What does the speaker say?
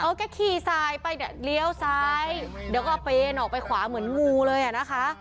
แกขี่สายไปเนี่ยเลี้ยวซ้ายเดี๋ยวก็เอาเปนออกไปขวาเหมือนงูเลยอ่ะนะคะ